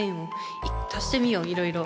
足してみよういろいろ。